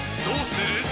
どうする？］